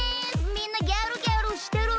みんなギャルギャルしてる？